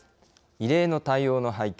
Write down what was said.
異例の対応の背景。